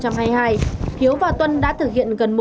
hiếu và tuân đã thực hiện